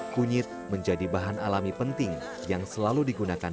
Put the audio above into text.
kunyit menjadi bahan alami penting yang selalu digunakan